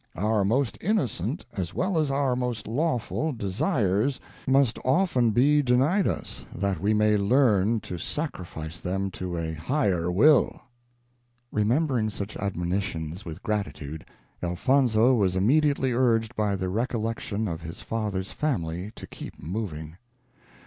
Our most innocent as well as our most lawful desires must often be denied us, that we may learn to sacrifice them to a Higher will." Remembering such admonitions with gratitude, Elfonzo was immediately urged by the recollection of his father's family to keep moving.